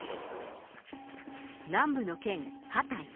南部の県、ハタイ。